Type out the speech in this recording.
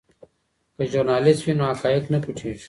که ژورنالیست وي نو حقایق نه پټیږي.